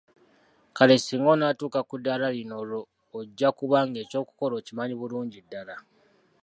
Kale singa onaatuuka ku ddaala lino olwo ojja kuba ng'ekyokukola okimanyi bulungi ddala.